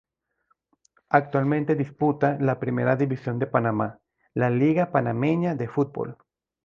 Actualmente disputa la primera división de Panamá, la Liga Panameña de Fútbol.